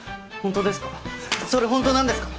本当ですか？